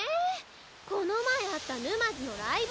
この前あった沼津のライブ！